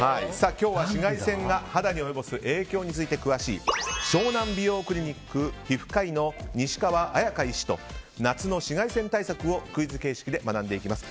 今日は紫外線が肌に及ぼす影響に詳しい湘南美容クリニック皮膚科医の西川礼華医師と夏の紫外線対策をクイズ形式で学んでいきます。